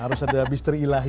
harus ada misteri ilahi